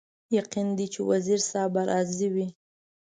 یقین دی چې وزیر صاحب به راضي وي.